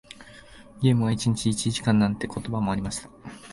ゲームは一日一時間なんて言葉もありました。